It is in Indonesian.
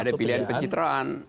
ada pilihan pencitraan